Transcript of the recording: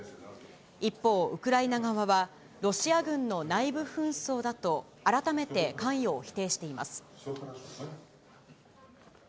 一方、ウクライナ側は、ロシア軍の内部紛争だと改めて関与を否定しています。